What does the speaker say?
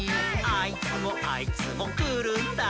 「あいつもあいつもくるんだ」